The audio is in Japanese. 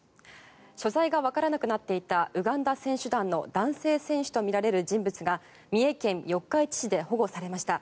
所在がわからなくなっていたウガンダ選手団の男性選手とみられる人物が三重県四日市市で保護されました。